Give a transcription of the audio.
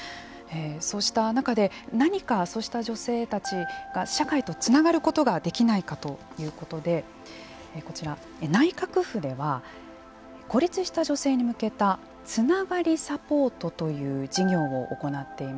そうした中で、何かそうした女性たちが、社会とつながることができないかということで、こちら内閣府では、孤立した女性に向けた、つながりサポートという事業を行っています。